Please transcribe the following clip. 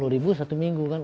lima puluh ribu satu minggu kan